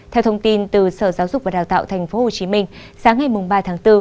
theo thông tin từ sở giáo dục và đào tạo tp hcm sáng ngày ba tháng bốn